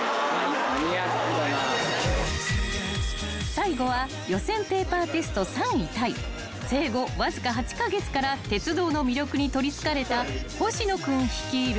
［最後は予選ペーパーテスト３位タイ生後わずか８カ月から鉄道の魅力に取りつかれた星野君率いる］